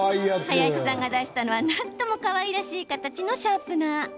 林さんが出したのはなんともかわいらしい形のシャープナー。